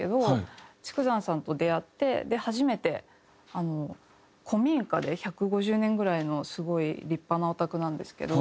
竹山さんと出会ってで初めてあの古民家で１５０年ぐらいのすごい立派なお宅なんですけど。